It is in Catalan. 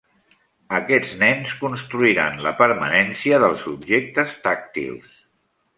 Aquests nens construiran la permanència dels objectes tàctils.